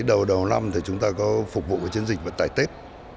đầu năm thì chúng ta có phục vụ với chiến dịch vận tải tết